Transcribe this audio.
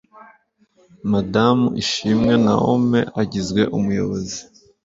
Madamu ISHIMWE Naome agizwe Umuyobozi